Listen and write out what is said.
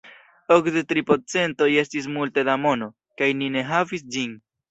Okdek tri procentoj estis multe da mono, kaj ni ne havis ĝin.